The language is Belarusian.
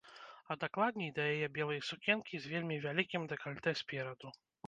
А дакладней, да яе белай сукенкі з вельмі вялікім дэкальтэ спераду.